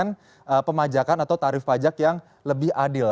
kebijakan pemajakan atau tarif pajak yang lebih adil